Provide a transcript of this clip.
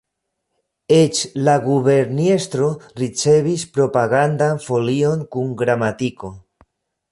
Eĉ la guberniestro ricevis propagandan folion kun gramatiko.